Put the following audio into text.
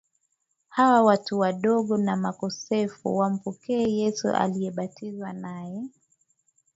hasa watu wadogo na makosefu wampokee Yesu aliyebatizwa naye